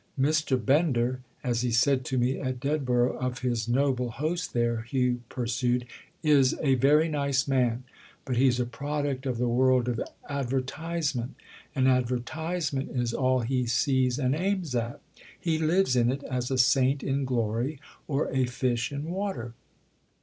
Mr. Bender—as he said to me at Dedborough of his noble host there," Hugh pursued—"is 'a very nice man'; but he's a product of the world of advertisment, and advertisement is all he sees and aims at. He lives in it as a saint in glory or a fish in water."